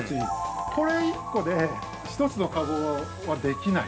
これ１個で１つのかごはできない。